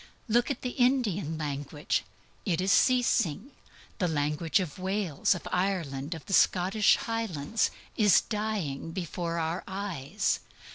Look at the Indian language. It is ceasing. The language of Wales, of Ireland, of the Scottish Highlands is dying before our eyes.